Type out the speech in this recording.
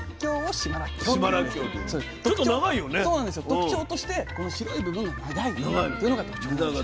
特徴としてこの白い部分が長いというのが特徴なんですよね。